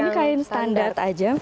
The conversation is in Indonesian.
ini kain standar aja